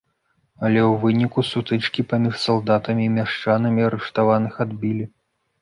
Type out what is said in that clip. Але ў выніку сутычкі паміж салдатамі і мяшчанамі арыштаваных адбілі.